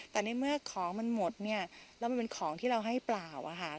แต่ในเมื่อของมันหมดเนี่ยแล้วมันเป็นของที่เราให้เปล่าอะค่ะ